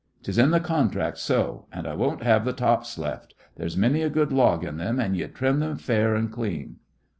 'Tis in the contract so. And I won't have th' tops left. There's many a good log in them, an' ye trim them fair and clean."